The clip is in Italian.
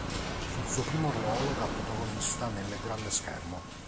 Fu il suo primo ruolo da protagonista nel grande schermo.